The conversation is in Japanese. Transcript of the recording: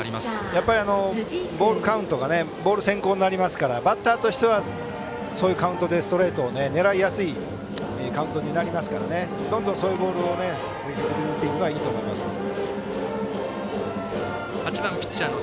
やっぱり、カウントがボール先行になるのでバッターとしてはそういうカウントでストレートを狙いやすいカウントになりますからどんどん、そういうボールを８番ピッチャーの辻。